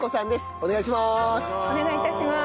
お願い致します。